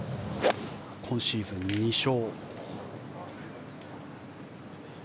今シーズン２勝。